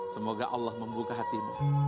semoga allah membuka hatimu